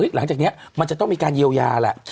หลังจากนี้มันจะต้องมีการเยียวยาแหละ